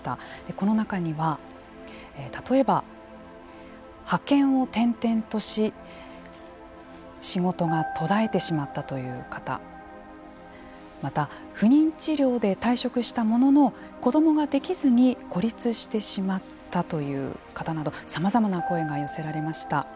この中には、例えば派遣を転々とし、仕事が途絶えてしまったという方また、不妊治療で退職したものの子どもができずに孤立してしまったという方などさまざまな声が寄せられました。